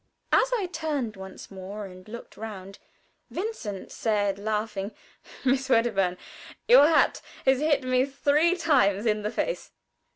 As I turned once more and looked round, Vincent said, laughing, "Miss Wedderburn, your hat has hit me three times in the face."